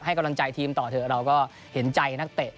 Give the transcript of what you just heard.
กำลังใจทีมต่อเถอะเราก็เห็นใจนักเตะ